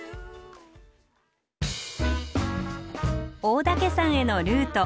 大岳山へのルート。